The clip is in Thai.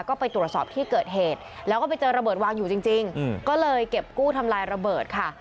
ก็ไปตรวจสอบที่เกิดเหตุแล้วก็ไปเจอระเบิดวางอยู่จริงก็เลยเก็บกู้ทำลายระเบิดค่ะ